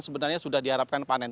sebenarnya sudah diharapkan panen